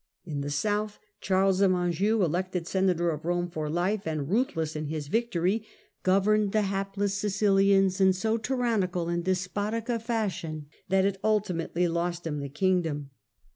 In the south, Charles of Anjou, elected Senator of Eome for life, and ruthless in his victory, governed the hapless Sicilians in so tyrannical and despotic a fashion that it ultimately lost him the kingdom.